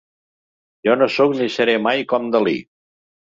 Jo no sóc ni seré mai com Dalí.